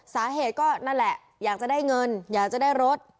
สาเหตุก็นั่นแหละอยากจะได้เงินอยากจะได้รถ